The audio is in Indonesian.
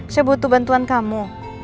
saya butuh bantuan kamu